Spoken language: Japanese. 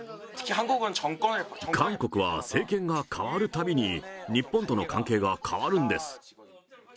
韓国は、政権が代わるたびに日本との関係が変わるんです。